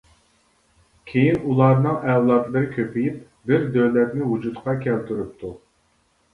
كېيىن ئۇلارنىڭ ئەۋلادلىرى كۆپىيىپ بىر دۆلەتنى ۋۇجۇدقا كەلتۈرۈپتۇ.